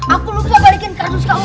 aku lupa balikin kartus kamu